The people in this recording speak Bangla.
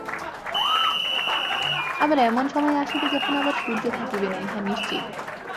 আবার এমন সময় আসিবে, যখন আবার সূর্য থাকিবে না, ইহা নিশ্চিত।